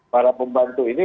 para pembantu ini